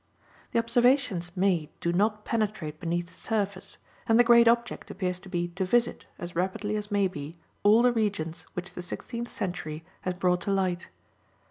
The observations made do not penetrate beneath the surface, and the great object appears to be to visit, as rapidly as may be, all the regions which the sixteenth century has brought to light.